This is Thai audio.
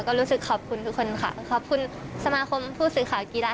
ก็รู้สึกขอบคุณทุกคนค่ะขอบคุณสมาคมผู้สื่อข่าวกีฬา